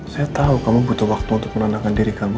saya tahu kamu butuh waktu untuk menenangkan diri kamu